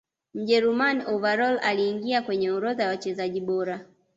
mjerumani overall aliingia kwenye orodha ya wachezaji bora